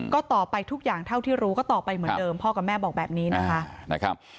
ก็ตอบไปทุกอย่างเท่าที่รู้ก็ตอบไปเหมือนเดิมพ่อกับแม่บอกแบบนี้นะคะ